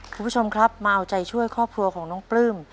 คุณผู้ชมครับมาเอาใจช่วยครอบครัวของน้องปลื้ม